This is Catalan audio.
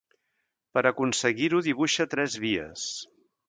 Per aconseguir-ho dibuixa tres vies.